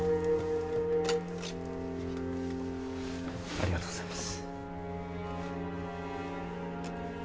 ありがとうございます。